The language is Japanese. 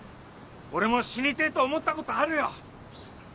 俺も死にてえと思ったことあるよ。